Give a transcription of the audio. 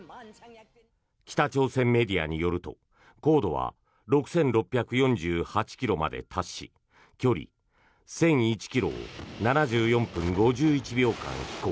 北朝鮮メディアによると高度は６６４８ｋｍまで達し距離１００１ｋｍを７４分５１秒間飛行。